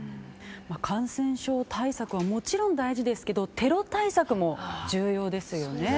感染症対策はもちろん大事ですけどテロ対策も重要ですよね。